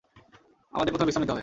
আমাদের প্রথমে বিশ্রাম নিতে হবে।